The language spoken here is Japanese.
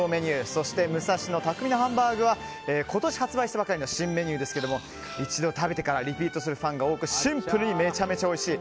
そして武蔵野・匠のハンバーグは今年発売したばかりの新メニューですが一度食べてからリピートするファンが多くシンプルにめちゃめちゃおいしい。